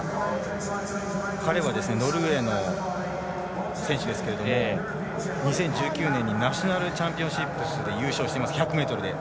彼がノルウェーの選手ですけれども２０１９年にナショナルチャンピオンシップス優勝しています、１００ｍで。